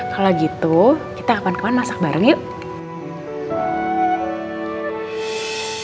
kalau gitu kita kapan kapan masak bareng yuk